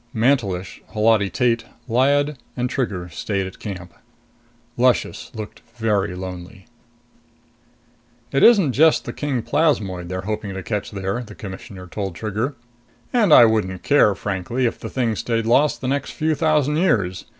Mantelish, Holati Tate, Lyad and Trigger stayed at camp. Luscious looked very lonely. "It isn't just the king plasmoid they're hoping to catch there," the Commissioner told Trigger. "And I wouldn't care, frankly, if the thing stayed lost the next few thousand years.